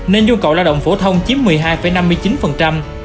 nên nhu cầu lao động phổ thông chiếm một mươi hai năm mươi chín